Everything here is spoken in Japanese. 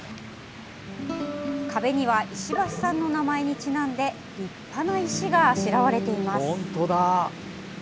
壁には石橋さんの名前にちなんで立派な石があしらわれています。